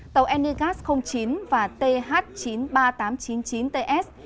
tàu enigas chín và th chín mươi ba nghìn tám trăm chín mươi chín ts